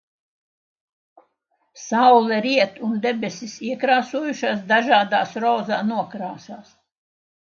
Saule riet un debesis iekrāsojušās dažādās rozā nokrāsās.